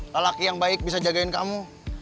lelaki yang baik bisa jagain kamu